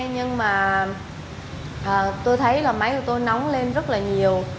nhưng mà tôi thấy là máy của tôi nóng lên rất là nhiều